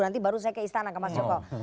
nanti baru saya ke istana ke mas joko